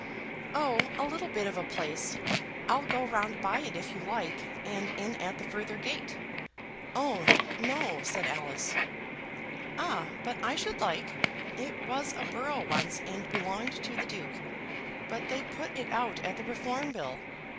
"Oh, a little bit of a place. I'll go round by it if you like, and in at the further gate." "Oh, no!" said Alice. "Ah, but I should like. It was a borough once, and belonged to the Duke; but they put it out at the Reform Bill.